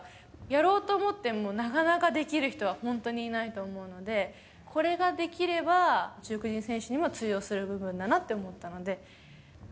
やろうと思っても、なかなかできる人は本当にいないと思うので、これができれば、中国人選手にも通用する部分だなって思ったので。